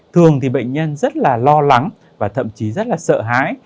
thường bệnh nhân rất lo lắng và thậm chí rất sợ hãi